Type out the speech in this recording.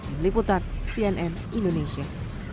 meliputan cnn indonesia